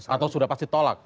atau sudah pasti tolak